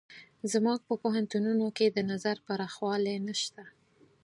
زموږ په پوهنتونونو کې د نظر پراخوالی نشته.